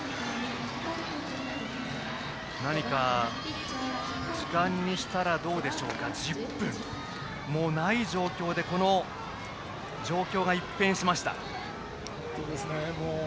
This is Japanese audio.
何か時間にしたら１０分もない状況でこの状況が一変しました。